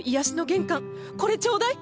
これちょうだい！